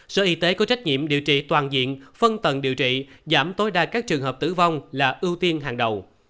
sở y tế có trách nhiệm điều trị toàn diện phân tầng điều trị giảm tối đa các trường hợp tử vong là ưu tiên hàng đầu